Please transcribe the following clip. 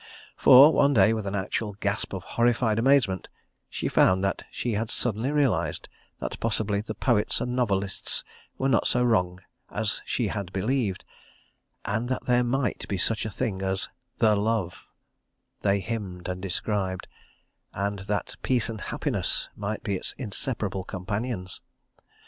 For, one day, with an actual gasp of horrified amazement, she found that she had suddenly realised that possibly the poets and novelists were not so wrong as she had believed, and that there might be such a thing as the Love—they hymned and described—and that Peace and Happiness might be its inseparable companions.